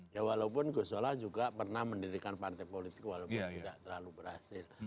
ya walaupun gusola juga pernah mendirikan partai politik walaupun tidak terlalu berhasil